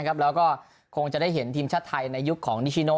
แล้วก็คงจะได้เห็นทีมชาติไทยในยุคของนิชิโน